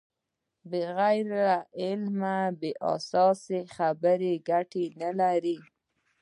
بغیر له علمه بې اساسه خبرې ګټه نلري.